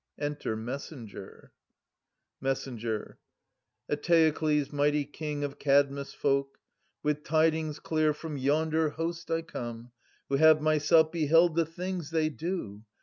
Enter Messenger. Messenger. Eteokles, mighty King of Kadmus' folk. With tidings clear from yonder host I come, 40 Who have myself beheld the things they do.